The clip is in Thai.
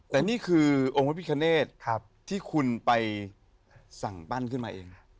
แต่นี่คือองค์พระพิคเนธที่คุณไปสั่งปั้นขึ้นมาเอง